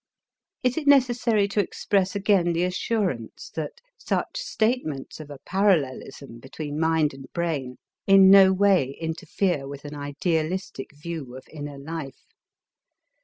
Is it necessary to express again the assurance that such statements of a parallelism between mind and brain in no way interfere with an idealistic view of inner life?